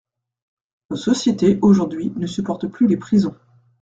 Nos sociétés, aujourd’hui, ne supportent plus les prisons.